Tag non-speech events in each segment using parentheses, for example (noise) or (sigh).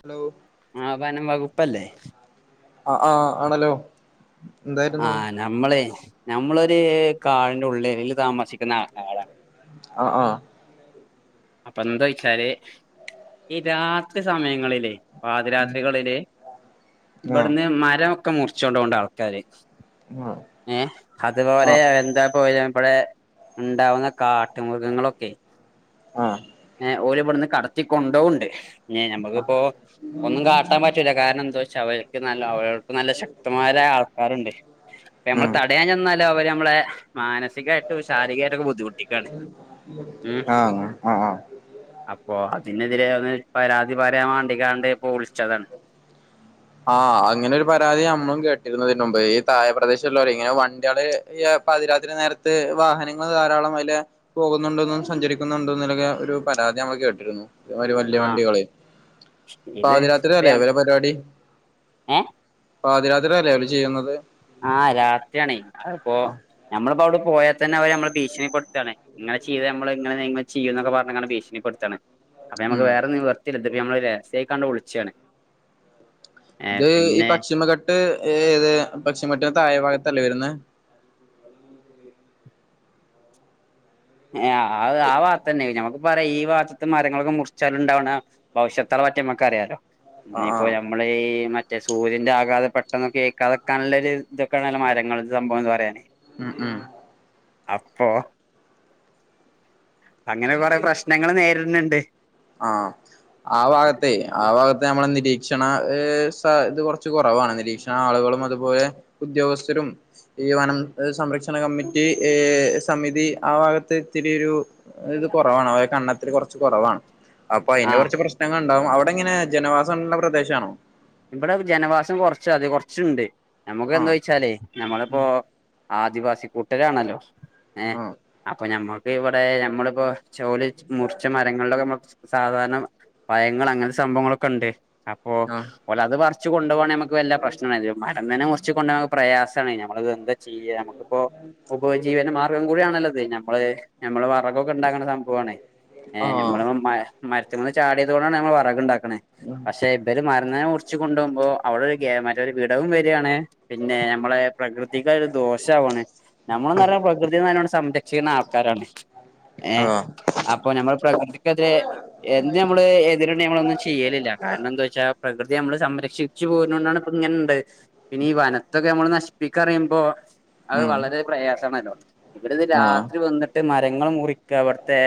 Hello ആഹ് വനം വകുപ്പല്ലേ ആ ആഹ് ആണല്ലോ എന്തായിരുന്നു ആഹ് നമ്മളെ നമ്മളൊരു കാടിന്റെ ഉള്ളേരിയേല് താമസിക്കുന്ന ആൾക്കാരാണ് ആഹ് ആഹ് അപ്പെന്തോയിച്ചാല് ഈ രാത്രി സമയങ്ങളില് പാതിരാത്രികളില് ആ ആ ആ ഇബട്ന്ന് മരൊക്കെ മുറിച്ചൊണ്ടോണ്ട് ആൾക്കാര് ഏ ആ അതുപോലെ എന്താ പോ ഇബടെ ഇണ്ടാവുന്ന കാ ട്ടു മൃഗങ്ങളൊക്കെ ആഹ് ഓല് ഇബട്ന്ന് കടത്തി കൊണ്ടോവ്ണ്ട് ഏ നമ്മക്കിപ്പോ ഒന്നും കാട്ടാൻ പറ്റൂല്ല കാരണം എന്തോയിച്ചാ അവര്ക്ക് നല്ല അവര്ക്ക് നല്ല ശക്തമായാ ആൾക്കാര്ണ്ട്. പ്പ നമ്മള് ഉം തടയാൻ ചെന്നാല് അവര് നമ്മളെ മാനസികായിട്ടും ശാരീരികായിട്ടൊക്കെ ബുദ്ധിമുട്ടിക്കാണ്. ആഹ് ആഹാ അപ്പോ അതിനെതിരെ ഒന്ന് പരാതി പറരാൻ വാണ്ടികാണ്ട് പ്പോ വിളിച്ചതാണ്. (inaudible) ആഹ് അങ്ങനെ ഒരു പരാതി നമ്മളും കേട്ടിരുന്നു ഇതിന്റെ മുമ്പ് ഈ താഴേ പ്രദേശല്ലോല്ല് ഇങ്ങനെ വണ്ടിയള് ഈ പാതിരാത്രി നേരത്ത് വാഹനങ്ങള് ധാരാളം അയിലെ പോകുന്നുണ്ടോെന്നും സഞ്ചരിക്കുന്നുണ്ടോ എന്നൊക്കെ ഒരു പരാതി നമ്മള് കേട്ടിരുന്നു ഒരു വലിയ ആഹ് വണ്ടികള് ഇത് പാതിരാ ഇപ്പ അല്ലേ ഇവരെ പരിപാടി ഏഹ് പാതിരാത്രില്ലെ അവല് ചെയ്യുന്നത്. ആഹ് രാത്രിയാണേ അ അപ്പോ ആ ഞമ്മള്പ്പോ അവിടെ പോയാൽ തന്നെ അവര് നമ്മളെ ഭീഷണിപ്പെടുത്താണേ ഇങ്ങനെ ചെയ്ത് നമ്മള് ഇങ്ങനെ ചെയ്യുംനക്കെ പറഞ്ഞ് കാണ്ട് ഭീണിപ്പെടുത്താണ്. അപ്പം ഞമ്മക്ക് ഉം വേറെ നിവർത്തില്ല ഇത് ഇപ്പം നമ്മള് രഹസ്യായികാണ്ട് വിളിച്ചാണ് ഏഹ് ഇത് ഈ പിന്നെ പക്ഷിമഘെട്ട് ഏത് പക്ഷിമെട്ടിന്റെ താഴെ ഭാഗത്തല്ലേ വരുന്ന ഏ ആ ആ വാ തന്നെ നമക്ക് പറയാ ഈ ഭാഗത്ത്ത്ത മരങ്ങളൊക്കെ മുറിച്ചാലുംണ്ടാവുന്ന ഭവിഷ്യത്താെള പറ്റി നമ്മുക്ക് അറിയാലോ ആഹ് ഇഞ്ഞിപ്പോ ആഹ് നമ്മൾ ഈ മറ്റേ സൂര്യന്റെ ആഘാത പെട്ടെന്ന് ഏക്കാതെക്കാനുള്ള ഒരു ഇതൊക്കെയണല്ല മരങ്ങൾ സംഭവം എന്ന് പറയാന് ഉം ഉം അപ്പോ അങ്ങനെ കൊറെേ പ്രശ്നങ്ങൾ നേരിട്ന്നുണ്ട്. ആഹ ആ ഭാഗത്തെ ആ ഭാഗത്ത് നമ്മള നിരീക്ഷണ ഇത് കുറച്ച് കുറവാണ് നിരീക്ഷണ ആളുകളും അതുപോലെ ഉദ്യോഗസ്ഥരും ഈ വനം സംരക്ഷണ കമ്മിറ്റി ഏ സമിതി ആഹ് ഭാഗത്തെ ഇത്തിരി രു ഇത് കുറവാണ് അവ കണ്ണത്തിൽ കുറച്ച് കുറവാണ് അപ്പൊ അയിന്റെ ആഹ് കുറച്ച് പ്രശ്നങ്ങ ഇണ്ടാവും അവടെ ഇങ്ങനെ ജനവാസം ഉള്ള പ്രദേശ ആണോ ഇവിടെ ജനവാസം കൊറച്ച അത് കൊറച്ച്ണ്ട് നമുക്ക് എന്താ ആഹ് വെച്ചാലേ നമ്മളിപ്പോ ആദിവാസി കൂട്ടരാണല്ലോ ഏ ആഹ് അപ്പൊ ഞമ്മക്ക് ഇവിടെ മ്മളിപ്പോ ചോലി മുറിച്ച മരങ്ങളിലൊക്കെ നമക്ക് സാധാരണ ഭയങ്ങൾ അങ്ങനെ സംഭവങ്ങളൊക്കെ ഇണ്ട് അപ്പൊ ഓല അത് പറ്ച്ച് കൊണ്ടു പോകണേ നമുക്ക് വല്ല പ്രശ്നം വർണില്ല മടങ്ങനെ മുറച്ച് കൊണ്ട പ്രയാസ (unintelligible) നമ്മത് എന്താ ചെയ്യ നമുക്കിപ്പോ ഉപജീവന മാർഗം കൂട ആണല്ലത് നമ്മള് നമ്മള് വറകൊക്കെ ഇണ്ടാക്ക്ണ സംഭവാണ് ഏ ആഹ് നമ്മള് മ മര്ത്തിമന്ന് ചാടിയതോണ്ടാണ് ഞമ്മൾ വറക്ക് ഇണ്ടാക്ക്ണ പക്ഷെ ഇബര് മർന്ന്നെ കു ച്ച് കൊണ്ടോബോ അവടെ ഒരു മറ്റൊരു വിടവും വരാണ് പിന്നെ നമ്മളെ പ്രകൃതിക്ക് അതൊരു ദോഷവാണ് നമ്മളന്ന് പറയ പ്രകൃതിനോട് സംരക്ഷിക്കുന്ന ആൾക്കാരാണ് ഏഹ് അതാ അപ്പൊ നമ്മൾ പ്രകൃതിക്കെതിരെ എന്ത് നമ്മള് എതി നമ്മളൊന്ന് ചെയ്യലില്ല കാരണം എന്താ വെച്ചാ പ്രകൃ നമ്മള് സംരക്ഷിച്ചു പോകുന്ന കൊണ്ടാണ് ഇപ്പ ഇങ്ങനെ ഇണ്ട പിന്നെ ഈ വനത്തൊക്കെ നമ്മൾ നശിപ്പിക്ക പറിമ്പോ അഹ് ഉം വളരെ പ്രയാസണല്ലോ ഇവിടെത് ആഹ് രാത്രി വന്ന് ട്ട് മരങ്ങളും മുറിക്ക ഇവട്ത്തെ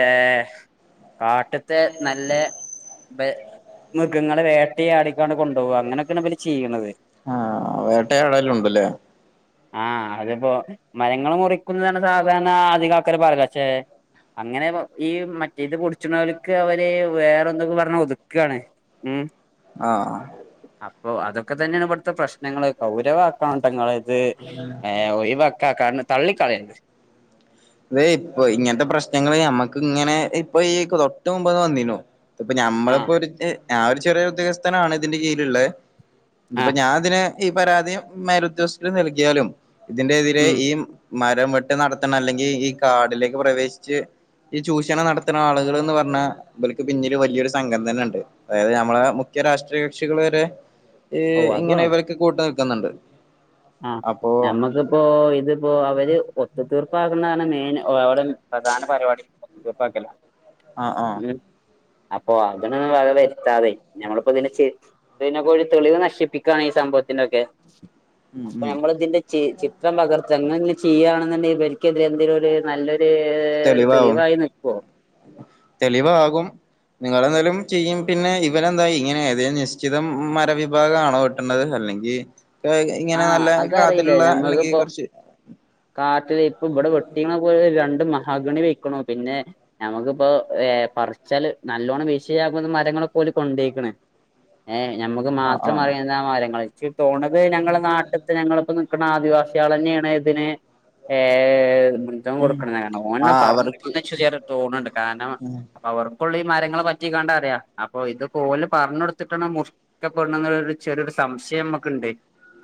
കാറ്റത്തെ നല്ല ബേ മൃഗങ്ങളെ വേട്ടയാടിക്കണ്ട് കൊണ്ടോവ അങ്ങനെക്കെനെ ഇഭല് ചെയ്യ്ണത് ആഹ് വേട്ടയാടാലും ഉണ്ടല്ലേ ആഹ് അതപ്പോ മരങ്ങള് മുറിക്കുന്നതാണ് സാധാരണ ആധികം ആർക്കലും (unintelligible) പക്ഷെ അങ്ങനെ ഈ മറ്റേ ത് പുടിച്ച് ണോല്ക്ക് അവര് വേറെ എന്തൊക്കെ പറഞ്ഞ് ഒതുക്കാണ് ഉം ആഹ് അപ്പൊ അതൊക്കെ തന്നെയാണ് ഇവിടുത്തെ പ്രശ്നങ്ങള് കൗരവ ആക്കണട്ടൊങ്ങള് ത് ഒയിവാക്ക കാരണം തള്ളിക്കളർത് ഇപ്പൊ ഇങ്ങനത്തെ പ്രശ്നങ്ങള് നമ്മക്ക് ഇങ്ങനെ ഇപ്പൊ ഈ ക്രോട്ട് മുമ്പ്ന്ന് വന്നീനു ഇത്പ്പ ആഹ് ഞമ്മളിപ്പോ ഒരു ഞാൻ ഒരു ചെറിയ ഉദ്യോഗസ്ഥനാണ് ഇതിന്റെ കീഴില്ള്ള ഇത് പ്പ ആഹ് ഞാൻ ഇതിനെ ഈ പരാതിം മരുത്സ്‌ന് നൽകിയാലും ഇതിന്റെ എതിരെ ഉം ഈ മരം വെട്ട് നടത്തണം അല്ലെങ്കിൽ ഈ കാടിലേക്ക് പ്രവേശിച്ച് ഈ ചൂർണ നടത്ത്ണ ആള്കൾ എന്ന് പർഞ്ഞാ ഭൽക്ക് പിന്നില് വലിയൊരു സംഘം തന്നെ ഇണ്ട് അതായത് നമ്മളെ മുഖ്യ രാഷ്ട്രയ കക്ഷികള് വരെ ഓ അത് ഇങ്ങനെ വേണ്ട ഇവർക്ക് കൂട്ടു നിക്ക്ന്ന്ണ്ട് ആഹ് നമ്മുക്കിപ്പോ ഇതിപ്പോ അവര് ഒത്തു തീർപ്പാക്കുന്നതാണ് മെയിൻ ഓര പ്രധാന പരിവാടി ഒത്ത്തീർപ്പാക്കല ആഹ് ആഹ് അപ്പൊ അതിന് വക വരുത്താതെ ഞമ്മളിപ്പോ ഇതിന്റെ ച്ച് ഇതിനെ ഒരു തെളിവ് നശിപ്പിക്കാണ് ഈ സംഭവത്തിന്റെക്കെ ഉം അപ്പൊ ഉം നമ്മൾ ഇതിന്റെ ചിത്രം പകർത്ത് ഇന്ന് ചെയ്യാണെന്നുണ്ടെങ്കി ഇവർക്ക് എതിരെ എന്തെങ്കിലു നല്ലൊര് ഒരു തെളിവാവും തെളിവായി നികൊ തെളിവാകും നിങ്ങളെന്തായാലും ചെയും പിന്നെ ഇവരെന്താ ഇങ്ങനെ ഏത നിശ്ചിത മരവിഭാഗ ആണോ അല്ലെങ്കിൽ ഇങ്ങനെ ആഹ് നല്ല അതറിയില്ല കാതൽള്ള അല്ലെങ്കി ഞമ്മക്കിപ്പോ കുറ്ച്ച് കാട്ടില് ഇപ്പം ഇവിടെ വെട്ടീപോല രണ്ട് മഹാഗണി പോയിക്ക്ണു പിന്നെ ഞമ്മക്കിപ്പോ ഏ പറിച്ചാല് നല്ലോണ്ണം ഭീഷണി യാകുന്ന മരങ്ങളൊക്കെ ഓൽ കൊണ്ടോയിക്ക്ണ് ഏഹ് ഞമക്ക് ആഹ് മാത്രം ആഹ് അറിയുന്ന മരങ്ങള് ച്ച് തോണത് ഞങ്ങള എല്ലാത്തിനും ഞങ്ങളപ്പോ നിക്കണ ആദിവാസികള തന്നെയാണ് ഇതിന് ഏ ഉം കൊടുക്കണം ന്നാ ഓന് ആഹ് അവർക്ക് പറഞ്ഞ്ക്ക്ണ് ചെ തോന്ന്ണ്ട് കാർണം ഉം അവർക്കുള്ളു ഈ മരങ്ങപറ്റികാണ്ടറിയാ അപ്പൊ ഇത് പോല് പറഞ്ഞൊടുത്തിട്ടാണ് മുറ് ക്കപ്പെടുന്നത് ന്ന്ള്ള ഒരു ചെറിയരു സംശയം നമുക്കുണ്ട്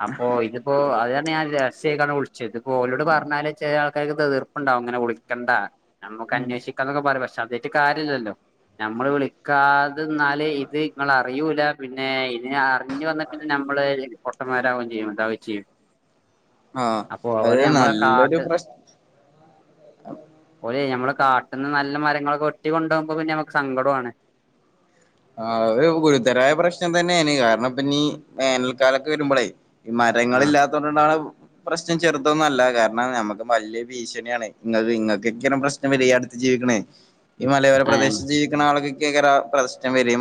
അപ്പോ ഇത് അപ്പൊ അതാണ് ഞാൻ രഹസ്യയിക്കാണ്ട് വിളിച്ചത് ഇത്പ്പോ ഓലോട് പറഞ്ഞാല് ചില ആൾക്കാർക്ക് എതീർപ്പുണ്ടാവും അങ്ങനെ വിളിക്കണ്ട ഞമ്മക്ക് ഉം അന്വേഷിക്കാ എന്നന്നൊക്കെ പറയും പക്ഷെ അതായിട്ട് കാര്യല്ലല്ലോ ഞമ്മള് വിളിക്കാതന്നാല് ഇത് ഇങ്ങൾ അറിയൂല പിന്നെ ഇത് അറിഞ്ഞു വന്നിട്ട് പിന്നെ നമ്മള് പൊട്ടന്മാരാവും ചെയ്യും എതാ ചെയ്യ ആഹ് അപ്പൊ അത് അവര് മ്മളെ നല്ലൊരു കാട്ട് പ്രശ് ഓലെ ഞമ്മളെ കാട്ട്ന്ന് നല്ല മരങ്ങളൊക്കെ വെട്ടി കൊണ്ടോവുമ്പോ പിന്നെ നമുക്ക് സങ്കടൂആണ് ആ ഗുരുതരായ പ്രശ്നം തന്നെയാണ് കാരണം പ്പം ഇനീ വേനൽക്കാലൊക്കെ വരുമ്പളെ മരങ്ങൾ ആഹ് ഇല്ലാതോണ്ട് ണ്ടാവ്ണ് പ്രശ്നം ചെറുതൊന്നല്ല കാരണം നമുക്ക് വലിയ ഭീഷണിയാണ് നിങ്ങ ഇങ്ങൾക്കൊക്കെയാണ് പ്രശ്നം വരിക അടുത്ത് ജീവിക്കണേ ഈ മലയോര ആഹ് പ്രദേശത്ത് ജീവിക്കുന്ന ആൾക്കൊക്കെകരം ആ പ്രശ്നം വര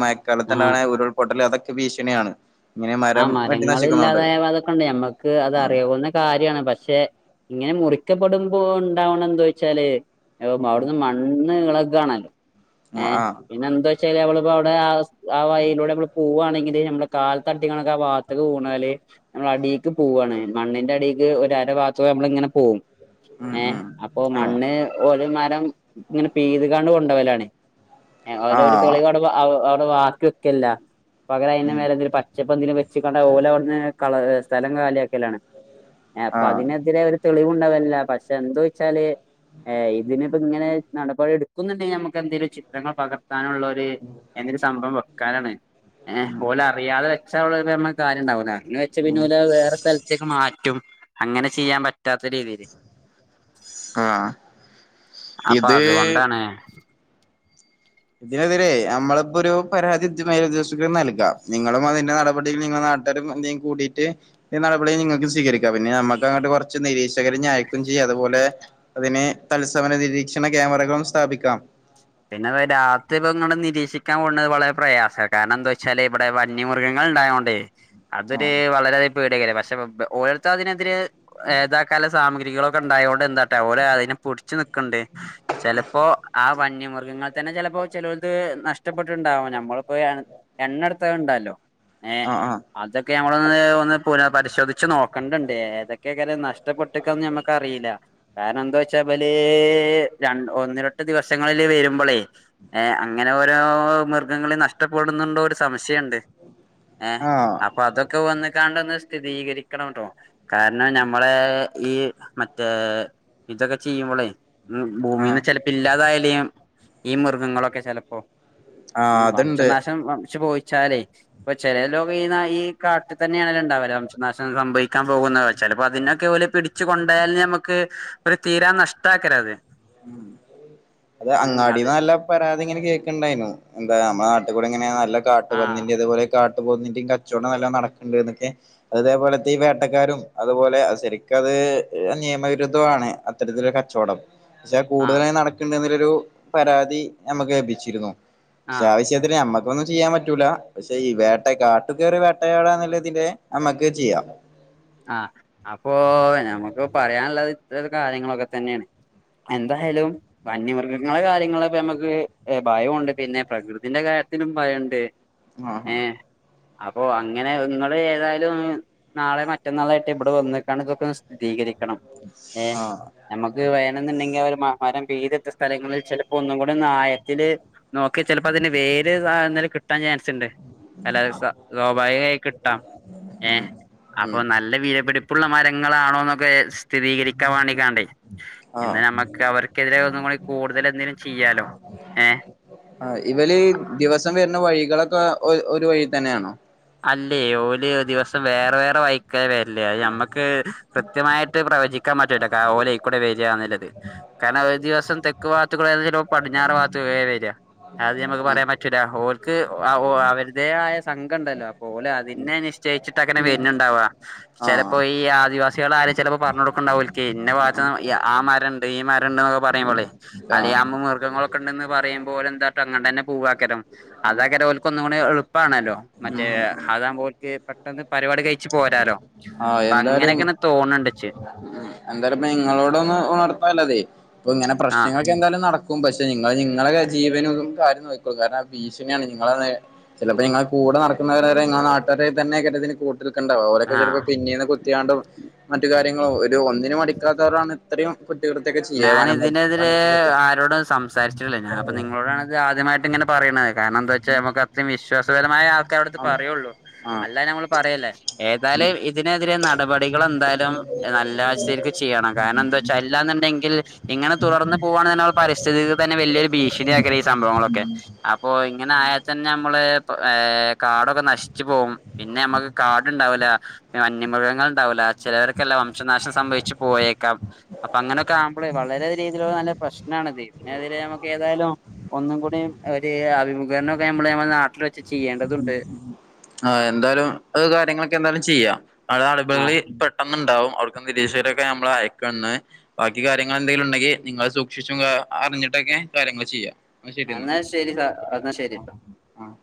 ആഹ് മയക്കാലത്ത്ണ്ടാവാണ ഉരുൾ പൊട്ടൽ അതൊക്കെ ഭീഷണിയാണ് ഇങ്ങനെ ആ മരം വെട്ടി മരങ്ങള് നശിക്കുന്നോണ്ട് ഇല്ലാതായതൊക്കെണ്ട് ഞമ്മക്ക് അത് ഉം അറിയാവുന്ന കാര്യണ് പക്ഷെ ഇങ്ങനെ മുറിക്കപ്പെടുമ്പോ ഉണ്ടാവണ എന്ത ചോച്ചാല് അവിടുന്ന് മണ് ഇളകാണല്ലോ ഉം ഏ ആഹ് പിന്നെ എന്താ വെച്ചൽ അവിടെ ആ വഴിയിലൂടെ പോവാണെങ്കില് നമ്മുടെ കാൽത്തട്ടിക്കണ്ട്ക്കെ ആവാത്ത്ക്ക് വീണാൽ നമ്മൾ അടിക്ക് പോവണ് മണ്ണിന്റെ അടിക്ക് ഒരര ഭാഗതൂടെ നമ്മൾ ഇങ്ങനെ പോവും ഉം ഏ ഉം അപ്പൊ ആഹ് മണ്ണ് ഓൽ മരം ഇങ്ങനെ പീ തുകാണ്ട് കൊണ്ടോലാണ് ഓൽ ഒരു ആഹ് തെളിവ് അവിടെ അവിടെ വാക്കി വേക്കെല്ല പകരം അതിൻ്റെ ഉം മേല എന്തലും പ ചപ്പോ എന്തേലും വെച്ചിക്കണ്ടെ ഓൽ അവിടന്ന് സ്ഥലം കാലി ആക്കലാണ് അപ്പൊ ആഹ് അതിനെതിരെ ഒരു തെളിവുണ്ടാവല്ല പക്ഷെ എന്ത വെച്ചാല് ഇതിനിപോ ഇങ്ങനെ നടപടി എടുക്കുന്നുണ്ടെങ്കിൽ നമുക്ക് എന്തെങ്കിലും ചിത്രങ്ങൾ പകർത്താനുള്ള ഒരു എന്തൊരു സംഭവം വെക്കാനാണ് ഏ ഓലറിയാതെ വെച്ച മ്മകാര്യണ്ടാവൂലെ അറിഞ്ഞ് വെച്ച പിന്നെ ഓൽ അത് വേറെ സ്ഥലത്തേക്കക്ക് മാറ്റ റ്റുംഅങ്ങനെ ചെയ്യാൻ പറ്റാത്ത രീതിയില് ആഹ് അപ്പൊ ഇത് അതുകൊണ്ടാണ് ഇതിനെതിരെ നമ്മളിപ്പോ ഒരു പരാതി ഉദ്യോഗസ്ഥർക്ക് നൽകാം നിങ്ങളും അതിന്റെ നടപടിയിൽ നിങ്ങൾ എന്തേലും കൂടിയിട്ട് ഈ നടപടി നിങ്ങൾക്ക് സ്വീകരിക്കാം പിന്നെ നമ്മുക്ക് അങ്ങോട്ട് കുറച്ച് നിരീക്ഷകരെ അയക്കയും ചെയ്യാം അതുപോലെ അതിന് തത്സമയ നിരീക്ഷണ ക്യാമറകളും സ്ഥാപിക്കാം പിന്നെ രാത്രി ഇപ്പ ഇങ്ങൾ നിരീക്ഷിക്കാൻ പോണത് വളരെ പ്രയാസമാണ് കാരണം എന്താ വെച്ചാല് ഇവിടെ വന്യമൃഗങ്ങൾ ഉണ്ടായോണ്ടേ അതൊരു ആഹ് വളരെയധികം പേടി ആകാരം പക്ഷെ ഓലെര്ത്ത് അതിനെതിരെ ഇതാക്കാൻളള സാമഗ്രികളൊക്കെ ഉണ്ടായോണ്ട് എന്താട്ട ഓര് അതിനെപുടിച്ചു നിക്ക്ണ്ട് ചെലപ്പോ ആ വന്യമൃ മൃഗങ്ങൾ തന്നെ ചിലപ്പോ ചിലോട്ത്തു നഷ്ടപ്പെട്ടണ്ടാവാം നമ്മളിപ്പോ എണ്ണ എടുത്ത ഇണ്ടാലൊ ഏഹ് ആഹ് ആഹ് അതൊക്കെ ഞമ്മളൊന്ന് ഒന്ന് പുന പരിശോധിച്ച് നോക്കണ്ടിണ്ട് ഏതൊക്കെ നഷ്ടപ്പെട്ടക്കന്ന് ഞമ്മക്കറീല കാരണം എന്താ വെച്ചാ ബല് ര ഒന്നരെട്ട് ദിവസങ്ങളില് വരുമ്പോളേ ഏ അങ്ങനെ ഓരോ മൃഗങ്ങളെ നഷ്ടപ്പെടുന്നുണ്ടോ ഒരു സംശയിണ്ട് ഏഹ് ആഹ് അപ്പൊ അതൊക്കെ വന്ന് കാണ്ടൊന്ന് സ്ഥിതീകരിക്കണം ട്ടൊ കാരണം ഞമ്മളെ ഈ മറ്റേ ഇതൊക്കെ ചെയ്യുമ്പോളേ ഉം ഭൂമിന്ന് ആഹ് ചെലപ്പോ ഇല്ലാതായാലിം ഈ മൃഗങ്ങളൊക്കെ ചെലപ്പോ ആഹ് ഉം അതുണ്ട് വംശനാശം വംശ പോയിച്ചാലേ അപ്പൊ ചില ലോം ഈ ഈ കാട്ടിൽ തന്നെ ഉണ്ടാവല് വംശനാശം സംഭവിക്കാൻ പോകുന്നത് വെച്ചാല് ചെലപ്പോ അതിനൊക്കെ ഓല് പിടിച്ചു കൊണ്ടായാൽ ഞമ്മക്ക് ഒരു തീരാ നഷ്ടക്കര അത് അത് അങ്ങാടി അതെ നല്ല പരാതി ഇങ്ങനെ കേൾക്ക്ണ്ടായിനു എന്താ നമ്മുടെ നാട്ടിൽ കൂടെ ഇങ്ങനെ നല്ല ആഹ് കാട്ടുപന്നിന്റെ ഇതുപോലെക്കെ കാട്ടു പോത്തിന്റെയും കച്ചവടം നല്ലോം നടക്കുന്നുണ്ട് ന്നൊക്കെ അതേപോലത്തെ ഈ വേട്ടക്കാരും അതുപോലെ ശരിക്കത് നിയമവിരുദ്ധണ് അത്തരത്തിരു കച്ചോടം പക്ഷെ ആഹ് കൂടുതലായി നടക്ക്ണ്ട്ന്നില്ലൊരു പരാതി നമ്മ കേപ്പിച്ചിരുന്നു പക്ഷെ ആഹ് ആ വിശ നമ്മക്കൊന്നും ചെയ്യാൻ പറ്റൂല പക്ഷെ ഈ വേട്ട കാട്ടുകേറി വേട്ടയാടാനില്ലാതിന്റെ നമ്മുക്ക് ചെയ്യാം ആഹ് അപ്പൊ നമുക്ക് പറയാനുള്ളത് ഇത്ര കാര്യങ്ങളൊക്കെ തന്നെണ് എന്തായാലും വന്യമൃഗങ്ങളെ കാര്യങ്ങളക്കെ നമുക്ക് ഭയണ്ട് പിന്നെ പ്രകൃതിന്റെ കാര്യത്തിലും ഭയണ്ട് ആഹ് ഏഹ് അപ്പോ അങ്ങനെ നിങ്ങള് ഏതായാലും നാളെയോ മ റ്റ നാളായിട്ട് ഇവിടെ വന്ന് കണക്കൊക്കെ ഒന്ന്‌ സ്ഥിതീകരിക്കണം ഏഹ് ആഹ് നമ്മക്ക് വേണെന്നുണ്ടെങ്കി അവര് മരം പിയ്തെടുത്ത സ്ഥലങ്ങളില് ചിലപ്പോ ഒന്നും കൂടി ഒന്നായത്തില് നമുക്ക് ചിലപ്പോ അതിന് വേര് താഴെന്ന് കിട്ടാൻ ചാൻസ്ണ്ട് അല്ല സോഭാവികായി കിട്ടാം ആഹ് ഏഹ് ഉം അപ്പൊ ഉം നല്ല വീലപിടിപ്പുള്ള മരങ്ങളാണോന്നൊക്കെ സ്ഥിരീകരിക്കാൻ വേണ്ടിക്കാണ്ടേ ഇന്ന് ആഹ് നമുക്ക് അവർക്കെതിരെ ഒന്നുംകൂടി കൂടുതൽ എന്തേലും ചെയ്യാലോ ഏഹ് ആഹ് ഇവല് ദിവസം വരുന്ന വഴികളൊക്കെ ഒരു വഴി തന്നെയാണോ? അല്ലേ ഓല് ദിവസം വേറെ വേറെ വൈ ക്ക വെരല് അത് ഞമ്മക്ക് കൃത്യമായിട്ട് പ്രവചി ക്കാൻ പറ്റൂല ഓലെക്കൂടെ വരിയാന്നില്ലത് കാരണം ഒരു ദിവസം തെ ക്കുവാത്തു കൂടെ വരുന്നത് ഓൻ പടിഞ്ഞാറ് വാത്ത്കൂടെയ വര് അത് ഞമുക്ക് പറയാൻ പറ്റൂല ഓർക്ക് അവരുടെ ആയ സം ണ്ടല്ലോ ഓല് അതിനെ നിശ്ചയിച്ചിട്ട് അങ്ങനെ വരുന്നുണ്ടാവാ ആഹ് ചിലപ്പോ ഈ ആദിവാസി സികൾ ആരെലും ചിലപ്പോ പറഞ്ഞഞ് കൊടുക്കണ്ടാവും ഒല്ക്ക് ഇന്ന വാത്ത ആ മരണ്ട് ഈ മരണ്ട് ഒക്കെ പറയുമ്പോളെ ആഹ് അല്യാമ്പോ മൃഗങ്ങളൊക്ക ഉണ്ടന്ന് പറയുമ്പോ ഓലെന്താട്ടോ അങ്ങട്ടെന്നെ പൂവാക്കരം അതൊക്കെലൊ ഓലക്ക് ഒന്നും കൂടിം എളുപ്പാണല്ലോ ഉം മറ്റേ ആതാവുമ്പോലക്ക് പെട്ടെന്ന് പരിപാടി കഴിച്ചു പോരാലോ ആഹ് അപ്പൊ അങ്ങനെക്കെണ് തോണ് ണ്ട് ച്ച് എന്തായാലപ്പ നിങ്ങളോട ഒന്നും ഉണർത്താ ലത് ഇപ്പൊ ഇങ്ങനെ ആഹ് പ്രശ്നങ്ങ എന്തായാലും നടക്കും പക്ഷെ നിങ്ങ നിങ്ങളുടെ ജീവനും കാര്യം നോക്കുള്ളൂ കാരണം ഭീഷണിയാണ് നിങ്ങള ചിലപ്പോ നിങ്ങൾ കൂടെ നടക്കുന്നവര നാട്ടുകാര തന്നെ കാരം ഇതിന് കു ൽക്കണ്ട ഓലെക്കെ ആഹ് ചിലപ്പോ പിന്നീട് കുത്തിയാണ്ടും മറ്റു കാര്യങ്ങളും ഒരു ഒന്നിന് മടിക്കാത്തവരാണ് ഇത്രയും കുറ്റകൃത്യൊക്കെ ചെയ്യ ഞാൻ വനം വകുപ്പ് ഇതിനെതിരെ വനത്തിലൊക്കെ ആരോടും സംസാരിച്ചിട്ടില്ല ഞാൻ ഇപ്പൊ നിങ്ങളോടാണ്ത് ആദ്യമായിട്ട് ഇങ്ങനെ പറയണത് കാരണം ന്താ ച്ചാൽ നമുക്ക് അത്രേം വിശ്വാസപരമായ അവിടുത്തെ പറയുള്ളൂ അല്ലാ ഞമ്മള് പറയല്ലേ ആഹ് ഏതായാലും ഇതിനെതിരെ നടപടികൾ എന്തായാലും നല്ല (unintelligible) ചെയ്യണം കാരണം എന്താച്ചാ അല്ലാന്നിണ്ടെങ്കി ഇങ്ങനെ തുടർന്ന് പോകാണ് ള്ള പരിസ്ഥിതിക്ക് തന്നെ വല്ല്യ ഭീഷണി ആ സംഭവങ്ങളൊക്കെ അപ്പോ ഇങ്ങനെ ആയാൽ തന്നെ നമ്മള് കാടൊക്കെ നഷി ച്ച് പോകും പിന്നെ നമ്മക്ക് കാടുണ്ടാവില്ല വന്യമൃഗങ്ങൾ ഉണ്ടാവില്ല ചിലവർക്കല്ല വംശനാശം സംഭവിച്ചു പോയേക്കാം അപ്പൊ അങ്ങനെ വളരെ രീതിയിലുള്ള നല്ല പ്രശ്നണിത് ഇതിനെ തീരെ നമുക്ക് ഏതായാലും ഒന്നും കൂടി ഒരു അത് മുകേനെ നമ്മള് നമ്മള നാട്ടിൽ വെച്ചി ആഹ് എന്തായാലും അത് കാര്യങ്ങളൊക്കെ എന്തായാലും ചെയ്യാം അവിടെ ആ അടിപളി പെ പെട്ടന്നുണ്ടാവും അവർക്ക് രസീത് ഒക്കെ നമ്മൾ അയക്കന്ന് ബാക്കി കാര്യങ്ങൾ എന്തെങ്കിലും ഉണ്ടെങ്കിൽ നിങ്ങൾ സൂക്ഷിച്ചും അറിഞ്ഞിട്ടൊക്കെ കാര്യങ്ങൾ ചെയ്യാം എന്നാ ശരി എന്നാ എന്നാൽ ശരി സ എന്നാ ആഹ് ശരിട്ടോ ആഹ്